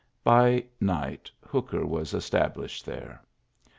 By night Hooker was established there.